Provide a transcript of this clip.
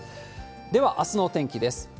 では、あすのお天気です。